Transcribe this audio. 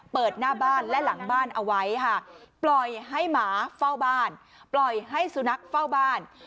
เปิดหน้าบ้านและหลังบ้านเอาไว้ค่ะปล่อยให้หมาเฝ้าบ้านปล่อยให้สุนัขเฝ้าบ้าน